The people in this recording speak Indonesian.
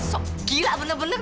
sok gila benar benar nih